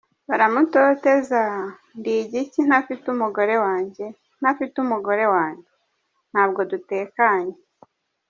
Baramutoteza… Ndi igiki ntafite umugore wanjye , ntafite umugore wanjye? Ntabwo dutekanye.